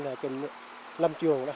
lâm trường đó lâm trường kiểm lâm